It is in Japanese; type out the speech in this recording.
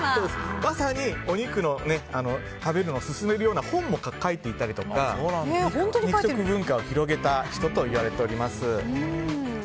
まさにお肉の食べるのをすすめるような本も書いていたりとか肉食文化を広げた人といわれています。